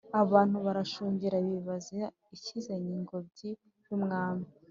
abantu barashungera bibaza ikizanye ingobyi yumwami